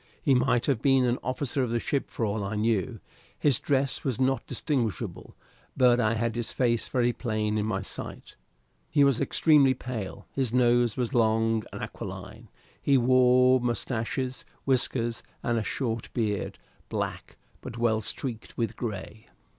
He might have been an officer of the ship for all I knew. His dress was not distinguishable, but I had his face very plain in my sight. He was extremely pale; his nose was long and aquiline; he wore moustaches, whiskers, and a short beard, black, but well streaked with grey.